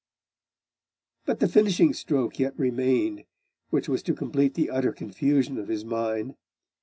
But the finishing stroke yet remained which was to complete the utter confusion of his mind.